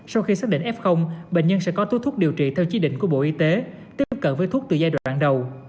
sau khi xác định f bệnh nhân sẽ có thuốc điều trị theo chí định của bộ y tế tiếp cận với thuốc từ giai đoạn đầu